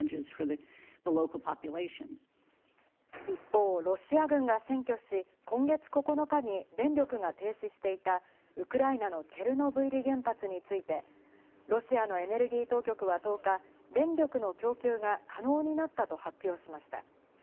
一方、ロシア軍が占拠し、今月９日に電力が停止していたウクライナのチェルノブイリ原発について、ロシアのエネルギー当局は１０日、電力の供給が可能になったと発表しました。